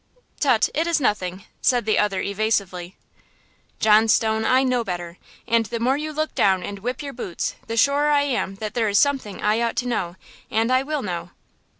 "Tut! it is nothing!" said the other evasively. "John Stone, I know better! And the more you look down and whip your boots the surer I am that there is something I ought to know, and I will know!"